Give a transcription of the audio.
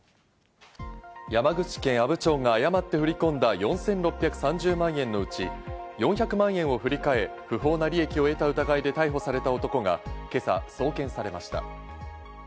山口県阿武町が誤って振り込んだ４６３０万円のうち、４００万円を振り替え、不法な利益を得た疑いで逮捕された男が今朝送検されました。